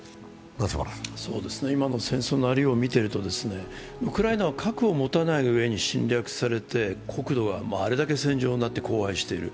今の戦争のありようを見てるとウクライナは核を持たないうえに侵略されて、国土はあれだけ戦場になって荒廃している。